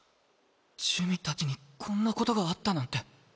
珠魅たちにこんなことがあったなんて。